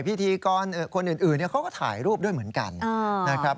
พิธีกรคนอื่นเขาก็ถ่ายรูปด้วยเหมือนกันนะครับ